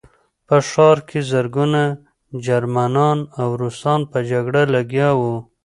په ښار کې زرګونه جرمنان او روسان په جګړه لګیا وو